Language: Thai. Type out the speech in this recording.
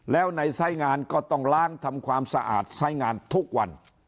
แล้วในไซส์งานก็ต้องล้างทำความสะอาดสายงานทุกวัน